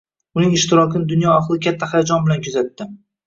Uning ishtirokini dunyo ahli katta hayajon bilan kuzatdi.